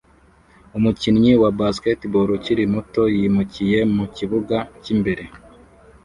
Umukinnyi wa basketball ukiri muto yimukiye mu kibuga cyimbere